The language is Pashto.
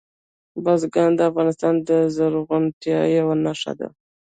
بزګان د افغانستان د زرغونتیا یوه نښه ده.